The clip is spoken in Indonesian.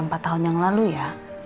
empat tahun yang lalu ya